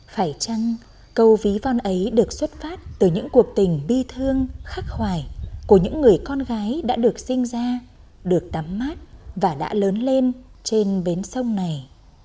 phải chăng câu ví von ấy được xuất phát từ những cuộc tình bi thương khắc hoài của những người con gái đã được sinh ra được tắm mát và đã lớn lên trên bến sông này